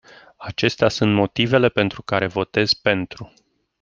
Acestea sunt motivele pentru care votez pentru.